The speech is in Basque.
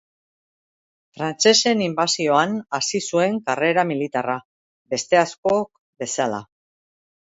Frantsesen inbasioan hasi zuen karrera militarra, beste askok bezala.